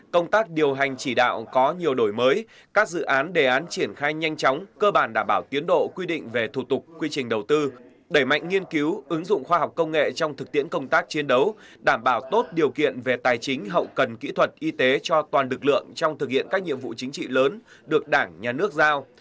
công tác điều hành chỉ đạo có nhiều đổi mới các dự án đề án triển khai nhanh chóng cơ bản đảm bảo tiến độ quy định về thủ tục quy trình đầu tư đẩy mạnh nghiên cứu ứng dụng khoa học công nghệ trong thực tiễn công tác chiến đấu đảm bảo tốt điều kiện về tài chính hậu cần kỹ thuật y tế cho toàn lực lượng trong thực hiện các nhiệm vụ chính trị lớn được đảng nhà nước giao